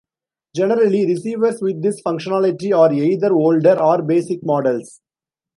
Generally, receivers with this functionality are either older or basic models.